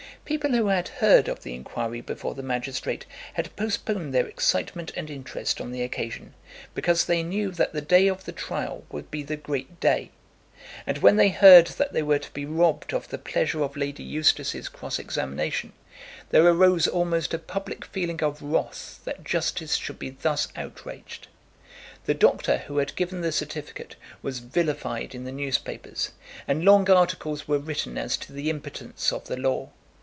People who had heard of the inquiry before the magistrate, had postponed their excitement and interest on the occasion, because they knew that the day of the trial would be the great day; and when they heard that they were to be robbed of the pleasure of Lady Eustace's cross examination, there arose almost a public feeling of wrath that justice should be thus outraged. The doctor who had given the certificate was vilified in the newspapers, and long articles were written as to the impotence of the law.